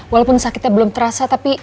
walaupun sakitnya belum terasa tapi